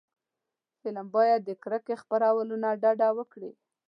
فلم باید د کرکې خپرولو نه ډډه وکړي